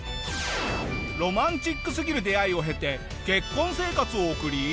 ロマンチックすぎる出会いを経て結婚生活を送り。